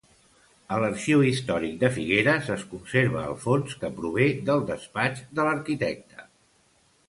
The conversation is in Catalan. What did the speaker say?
A l'Arxiu Històric de Figueres es conserva el fons que prové del despatx de l'arquitecte.